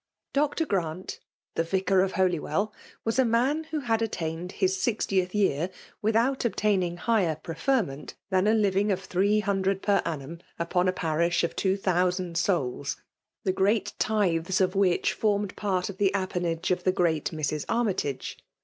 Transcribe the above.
Dr. Grants the Vicar of Holywell^ was a man who had attained his sixtieth year, withont obtaining higher preferment than a living of tiuee hundred per annum upon a paridi of two thousand souls ;— ^the great tithes of which fbnnedpsrt of the appanage of the great Mrs. Armytage.